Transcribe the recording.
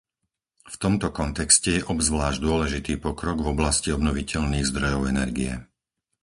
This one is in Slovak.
V tomto kontexte je obzvlášť dôležitý pokrok v oblasti obnoviteľných zdrojov energie.